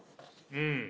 うん。